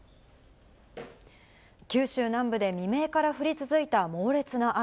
九州南部で未明から降り続いた猛烈な雨。